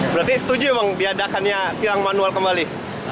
berarti setuju emang diadakannya tirang manual kembali